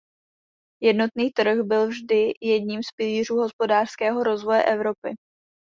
Jednotný trh byl vždy jedním z pilířů hospodářského rozvoje Evropy.